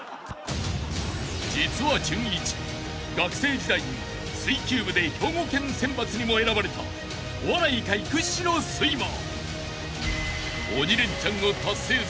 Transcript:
［実はじゅんいち学生時代に水球部で兵庫県選抜にも選ばれたお笑い界屈指のスイマー］